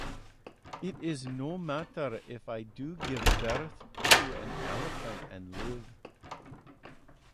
It is no matter if I do give birth to an elephant and live.